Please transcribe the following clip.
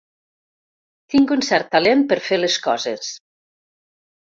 Tinc un cert talent per fer les coses.